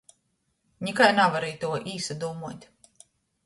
Nikai navaru ituo īsadūmuot.